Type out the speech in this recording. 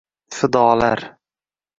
fidolar.